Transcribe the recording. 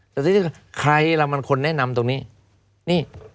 แต่ใครละมันคนแนะนำตรงนี้